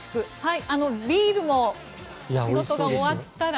ビールも仕事が終わったらね。